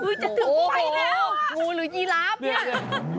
อุ้ยจะถึงไฟแล้วงูหรืออีหลาบเนี่ย